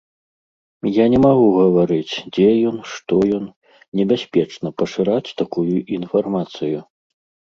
Я не магу гаварыць, дзе ён, што ён, небяспечна пашыраць такую інфармацыю.